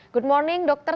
selamat pagi dokter